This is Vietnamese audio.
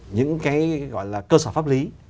những cái gọi là cơ sở pháp lý